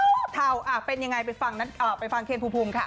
หน้าเท่าเป็นยังไงไปฟังเคนภูมิภูมิค่ะ